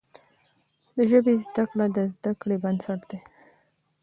د ژبي زده کړه د زده کړې بنسټ دی.